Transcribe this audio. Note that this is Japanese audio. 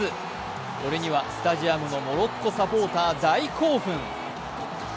これにはスタジアムのモロッコサポーター大興奮。